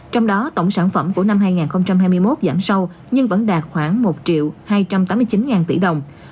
trong đó tổng sản phẩm của năm hai nghìn hai mươi một giảm sâu nhưng vẫn đạt khoảng một hai trăm tám mươi chín tỷ đồng